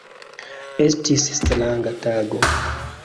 Estis stranga tago.